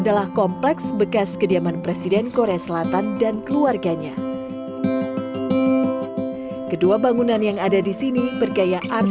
sebagai elemen penting japsang telah menjadi elemen penting dalam arsitektur bangunan istana kerajaan